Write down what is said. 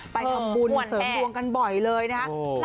ไปทำบุญเสริมดวงกันบ่อยเลยนะครับ